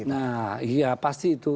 nah iya pasti itu